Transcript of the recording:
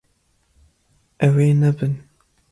Ew ê nebin.